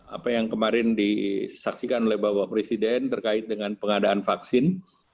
apa yang kemarin disaksikan oleh bapak presiden terkait dengan pengadaan vaksin